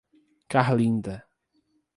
Carlinda